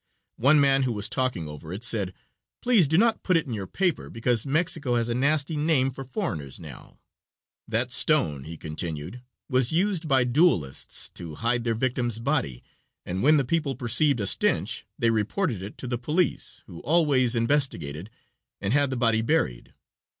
One man who was talking over it said: "Please do not put it in your paper, because Mexico has a nasty name for foreigners now. That stone," he continued, "was used by duelists to hide their victim's body, and when the people perceived a stench they reported it to the police, who always investigated and had the body buried."